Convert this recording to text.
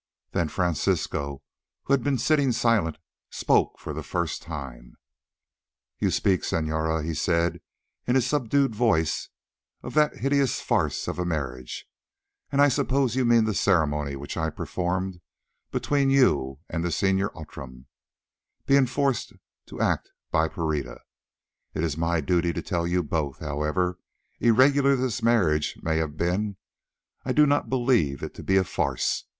Then Francisco, who had been sitting silent, spoke for the first time. "You speak, senora," he said in his subdued voice, "of that 'hideous farce of marriage,' and I suppose you mean the ceremony which I performed between you and the Senor Outram, being forced to the act by Pereira. It is my duty to tell you both that, however irregular this marriage may have been, I do not believe it to be a farce.